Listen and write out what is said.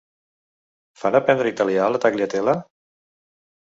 Fan aprendre italià a la Tagliatella?